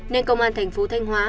nên công an tp thanh hóa